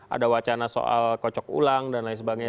ada wacana soal kocok ulang dan lain sebagainya